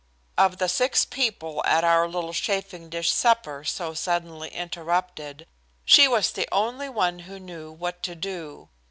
Of the six people at our little chafing dish supper, so suddenly interrupted, she was the only one who knew what to do.